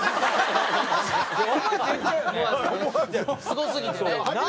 すごすぎてね。